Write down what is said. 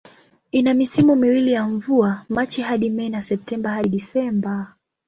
Ina misimu miwili ya mvua, Machi hadi Mei na Septemba hadi Disemba.